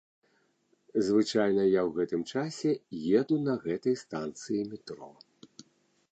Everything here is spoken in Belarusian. Звычайна я ў гэтым часе еду на гэтай станцыі метро.